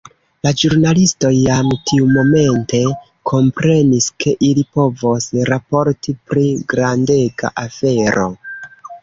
La ĵurnalistoj jam tiumomente komprenis ke ili povos raporti pri grandega afero.